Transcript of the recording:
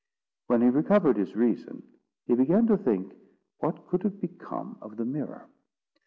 When he recovered his reason, he began to think what could have become of the mirror.